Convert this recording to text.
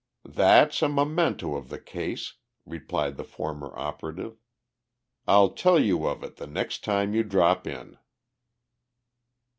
"That's a memento of the case," replied the former operative. "I'll tell you of it the next time you drop in."